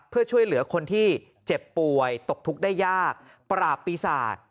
เพื่อช่วยเหลือคนที่เจ็บป่วยตกทุกข์ได้ยากปราบปีศาจ